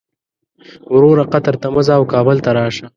وروره قطر ته مه ځه او کابل ته راشه.